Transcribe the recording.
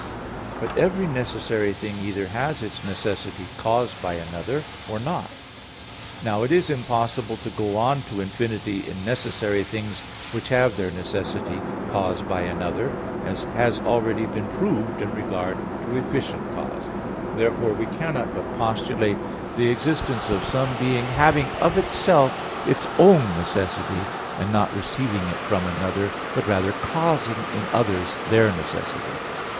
But every necessary thing either has its necessity caused by another, or not. Now it is impossible to go on to infinity in necessary things which have their necessity caused by another, as has been already proved in regard to efficient causes. Therefore we cannot but postulate the existence of some being having of itself its own necessity, and not receiving it from another, but rather causing in others their necessity.